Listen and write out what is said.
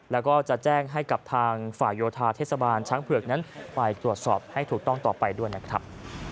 แล้วก็จะแจ้งให้กับทางฝ่ายโยธาเทศบาลช้างเผือกนั้นไปตรวจสอบให้ถูกต้องต่อไปด้วยนะครับ